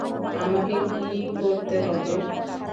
আমাকে কি করতে হবে?